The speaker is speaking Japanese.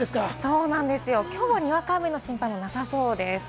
そうなんですよ、きょうはにわか雨の心配はなさそうです。